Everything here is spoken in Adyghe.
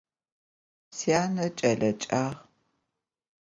Syane ç'eleêğac.